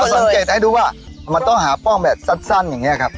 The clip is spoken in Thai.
สังเกตให้ดูว่ามันต้องหาป้องแบบสั้นอย่างนี้ครับ